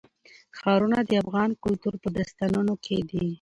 ښارونه د افغان کلتور په داستانونو کې دي.